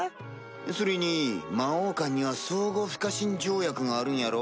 それに魔王間には相互不可侵条約があるんやろ？